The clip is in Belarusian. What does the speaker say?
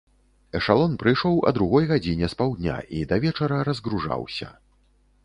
Эшалон прыйшоў а другой гадзіне спаўдня і да вечара разгружаўся.